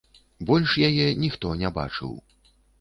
Больш яе ніхто не бачыў.